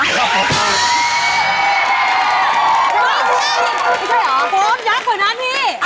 ไม่ใช่หรอฟอร์มยักษ์เหรอนะพี่